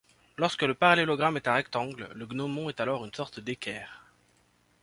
Lorsque le parallélogramme est un rectangle, le gnomon est alors une sorte d'équerre.